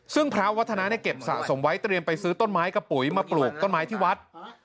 ซึ่งพระวัฒนาเนี่ยเก็บสะสมไว้เตรียมไปซื้อต้นไม้กระปุ๋ยมาปลูกต้นไม้ที่วัด